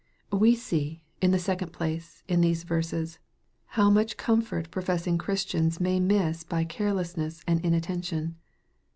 We see, in the second place, in these verses, how much comfort professing Christians may miss by carelessness and inattention.